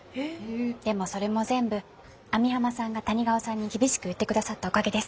でもそれも全部網浜さんが谷川さんに厳しく言って下さったおかげです。